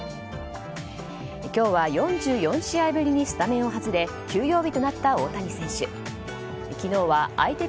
今日は４４試合ぶりにスタメンを外れ休養日となった大谷選手。